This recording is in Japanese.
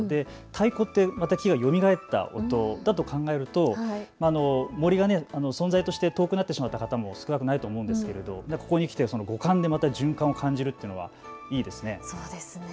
太鼓ってまた木がよみがえった音だと考えると森が存在として遠くなってしまった方も少なくないと思うんですがここに来て五感で循環を感じるというのはいいですね。